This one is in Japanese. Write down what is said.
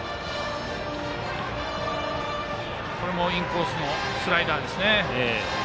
これもインコースのスライダーですね。